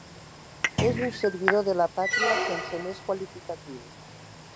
És un servidor de la pàtria sense més qualificatius.